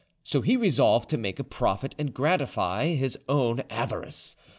So he resolved to make a profit and gratify his own avarice.